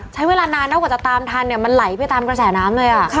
ใช้เวลานานนะกว่าจะตามทันเนี่ยมันไหลไปตามกระแสน้ำเลย